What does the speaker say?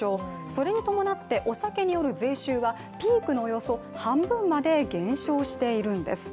それに伴ってお酒による税収はピークのおよそ半分まで減少しているんです。